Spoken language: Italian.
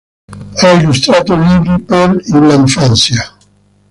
Ha illustrato libri per l'infanzia.